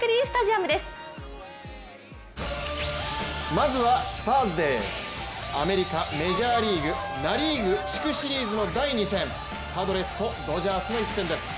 アメリカ、メジャーリーグナ・リーグ地区シリーズの第２戦、パドレスとドジャースの一戦です。